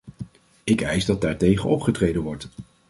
Ik eis dat daartegen opgetreden wordt.